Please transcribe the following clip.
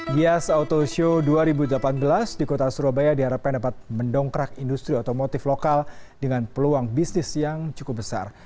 gias auto show dua ribu delapan belas di kota surabaya diharapkan dapat mendongkrak industri otomotif lokal dengan peluang bisnis yang cukup besar